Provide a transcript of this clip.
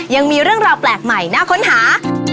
ยังมีเรื่องราวแปลกใหม่น่าค้นหา